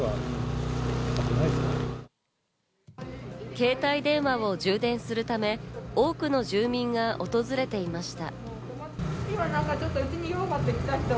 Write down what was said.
携帯電話を充電するため、多くの住民が訪れていました。